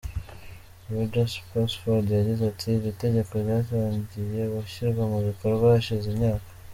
Roger Sapsford yagize ati : “Iri tegeko ryatangiye gushyirwa mu bikorwa hashize imyaka.